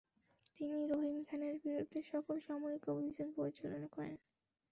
তিনি রহিম খানের বিরুদ্ধে সফল সামরিক অভিযান পরিচালনা করেন।